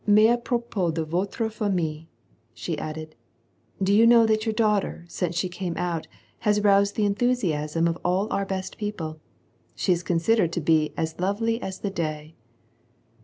" Mais a propos de voire famUlej^ she added, " do you know that your daughter, since she came out, has roused the enthusiasm of all our best people. She is considered to be as lovely as the day."